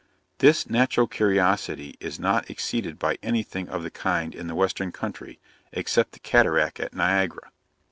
This natural curiosity is not exceeded by any thing of the kind in the western country, except the cataract at Niagara.